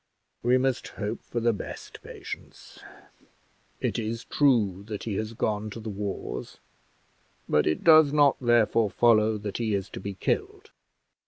"We must hope for the best, Patience. It is true that he has gone to the wars, but it does not therefore follow that he is to be killed.